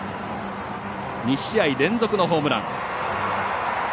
２試合連続のホームラン。